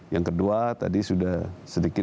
yang kedua tadi sudah sedikit